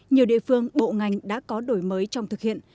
nhiều địa phương bộ ngành đã có đổi mới trong thực hiện